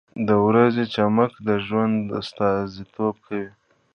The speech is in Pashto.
• د ورځې چمک د ژوند استازیتوب کوي.